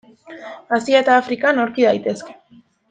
Asia eta Afrikan aurki daitezke.